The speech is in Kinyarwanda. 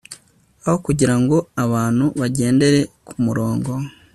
Aho kugira ngo abantu bagendere ku murongo